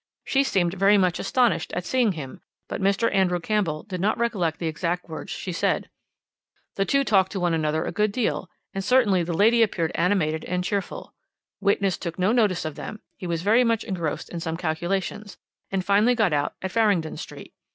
"She seemed very much astonished at seeing him, but Mr. Andrew Campbell did not recollect the exact words she said. "The two talked to one another a good deal, and certainly the lady appeared animated and cheerful. Witness took no notice of them; he was very much engrossed in some calculations, and finally got out at Farringdon Street.